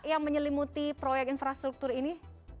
yang menyelimuti proyek infrastruktur ini